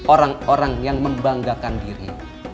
orang orang yang membanggakan diri